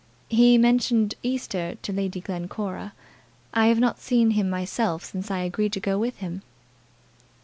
He mentioned Easter to Lady Glencora. I have not seen him myself since I agreed to go with him."